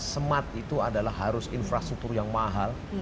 smart itu adalah harus infrastruktur yang mahal